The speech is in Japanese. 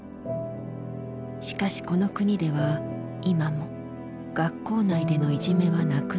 しかしこの国では今も学校内でのいじめはなくなっていない。